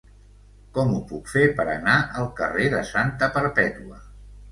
Com ho puc fer per anar al carrer de Santa Perpètua?